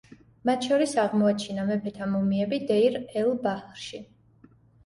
მათ შორის, აღმოაჩინა მეფეთა მუმიები დეირ-ელ-ბაჰრში.